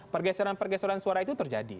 pergeseran pergeseran suara itu terjadi